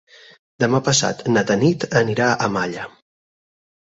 Demà passat na Tanit anirà a Malla.